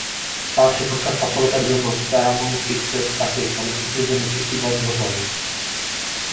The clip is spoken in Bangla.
তার সেখানকার সফলতার জন্য প্যারামাউন্ট পিকচার্স তাকে চলচ্চিত্রের জন্য চুক্তিবদ্ধ করে।